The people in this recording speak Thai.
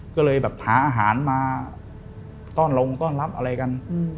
ก็เลยหาอาหารมาต้อนรับอะไรกัน